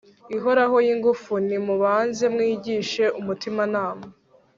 ihoraho yingufu Nimubanze mwigishe umutimanama